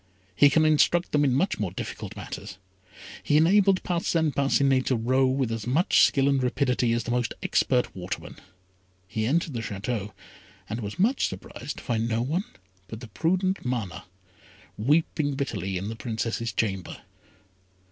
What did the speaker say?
He can instruct them in much more difficult matters. He enabled Parcin Parcinet to row with as much skill and rapidity as the most expert waterman. He entered the Château, and was much surprised to find no one but the prudent Mana, weeping bitterly in the Princess's chamber.